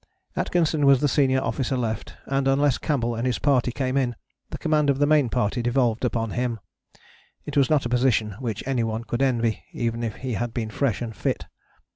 " Atkinson was the senior officer left, and unless Campbell and his party came in, the command of the Main Party devolved upon him. It was not a position which any one could envy even if he had been fresh and fit.